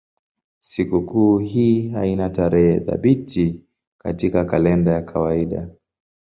Sikukuu hii haina tarehe thabiti katika kalenda ya kawaida.